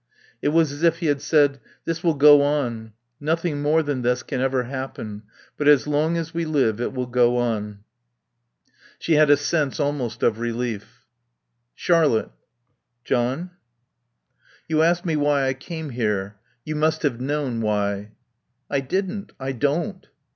It was as if he had said, "This will go on. Nothing more than this can ever happen. But as long as we live it will go on." She had a sense almost of relief. "Charlotte " "John " "You asked me why I came here. You must have known why." "I didn't. I don't."